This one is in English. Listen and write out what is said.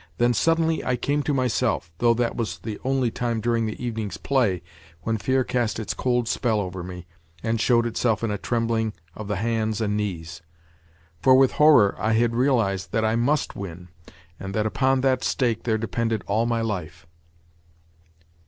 Then suddenly I came to myself (though that was the only time during the evening's play when fear cast its cold spell over me, and showed itself in a trembling of the hands and knees). For with horror I had realised that I must win, and that upon that stake there depended all my life.